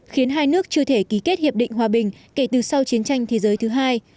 khiến hai nước chưa thể ký kết hiệp định hòa bình kể từ sau chiến tranh thế giới thứ hai